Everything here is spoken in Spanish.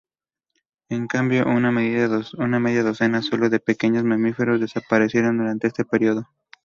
En cambio, una media docena sólo de pequeñas mamíferos desaparecieron durante este período.